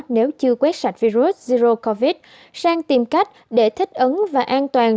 nếu chưa quét sạch virus zero covid sang tìm cách để thích ứng và an toàn